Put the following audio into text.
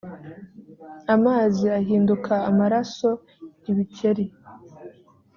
amazi ahinduka amaraso ibikeri